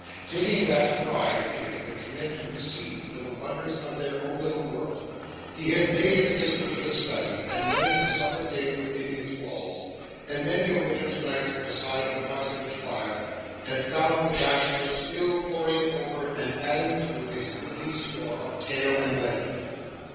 Taking that pride in it which men conceive for the wonders of their own little world, he had made its history his study; and many a summer day within its walls, and many a winter's night beside the parsonage fire, had found the bachelor still poring over, and adding to, his goodly store of tale and legend.